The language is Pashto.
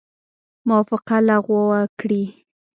موافقه لغو کړي.